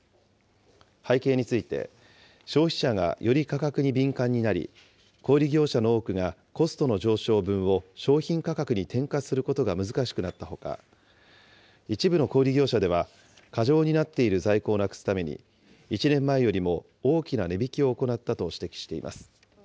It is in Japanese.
背景について、消費者がより価格に敏感になり、小売り業者の多くがコストの上昇分を商品価格に転嫁することが難しくなったほか、一部の小売り業者では、過剰になっている在庫をなくすために、１年前よりも大きな値引きを行ったと指摘しています。